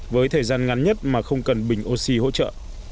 với thời gian ngắn nhất mà không cần bình oxy hỗ trợ